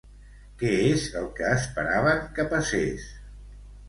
Què és el que esperaven que passés?